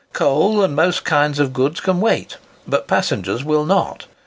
Coal and most kinds of goods can wait; but passengers will not.